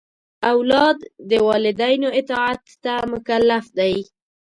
اولاد د والدینو اطاعت ته مکلف دی.